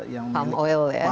yang palm oil ya